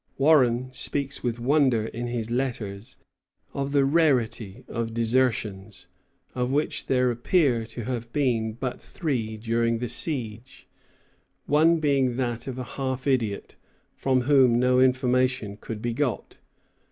Warren speaks with wonder in his letters of the rarity of desertions, of which there appear to have been but three during the siege, one being that of a half idiot, from whom no information could be got.